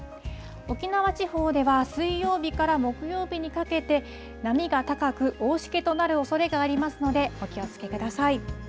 沖縄地方では、水曜日から木曜日にかけて、波が高く、大しけとなるおそれがありますので、お気をつけください。